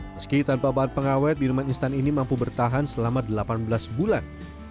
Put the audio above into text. meski tanpa bahan pengawet minuman instan ini mampu bertahan selama delapan belas bulan